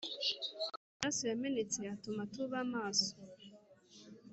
amaraso yamenetse atume tuba maso